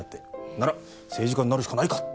なら政治家になるしかないかって。